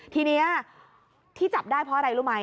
ทีนี้ที่จับได้เพราะอะไรรู้ไหม